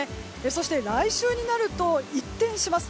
そして、来週になると一転します。